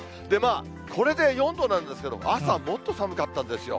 これで４度なんですけど、朝もっと寒かったんですよ。